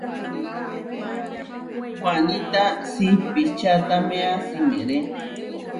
Waníta siipičataméa simiré.